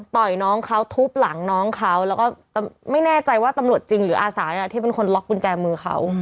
ยน้องเขาทุบหลังน้องเขาแล้วก็ไม่แน่ใจว่าตำรวจจริงหรืออาสาที่เป็นคนล็อกกุญแจมือเขา